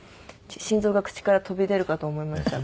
心臓が口から飛び出るかと思いました